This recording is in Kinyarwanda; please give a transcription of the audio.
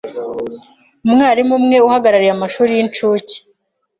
Umwarimu umwe uhagarariye amashuri y’inshuke